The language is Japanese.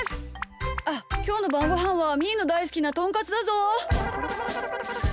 あっきょうのばんごはんはみーのだいすきなトンカツだぞ！